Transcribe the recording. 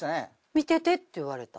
見ててって言われた。